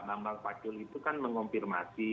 bambang pak jokowi itu kan mengonfirmasi